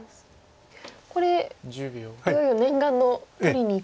これいよいよ念願の取りにいくと。